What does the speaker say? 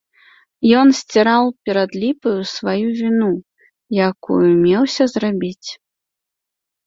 Ён сціраў перад ліпаю сваю віну, якую меўся зрабіць.